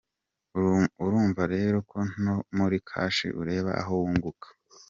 urumva rero ko no muri cash ureba aho wunguka .